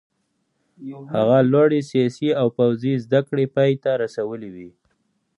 هغه لوړې سیاسي او پوځي زده کړې پای ته رسولې وې.